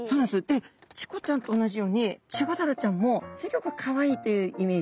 でチコちゃんと同じようにチゴダラちゃんもすギョくかわいいというイメージ。